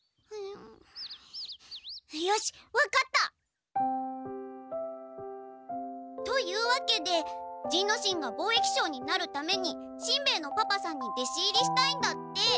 よしわかった！というわけで仁之進が貿易商になるためにしんべヱのパパさんに弟子入りしたいんだって。